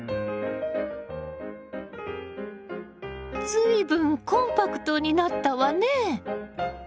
随分コンパクトになったわね！